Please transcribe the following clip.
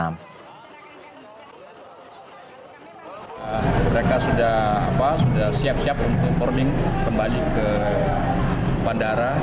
mereka sudah siap siap untuk warning kembali ke bandara